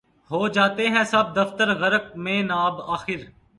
ہو جاتے ہیں سب دفتر غرق مے ناب آخر